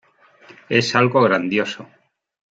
Es algo grandioso.